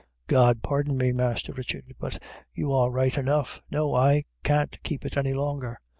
"God pardon me, Masther Richard, but you are right enough. No; I can't keep it any longer.